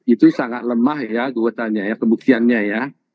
itu sangat lemah ya gue tanya ya kebuktiannya ya